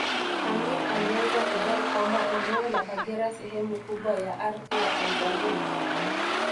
Amin alianza kudai kwamba eneo la Kagera sehemu kubwa ya ardhi ya Tanzania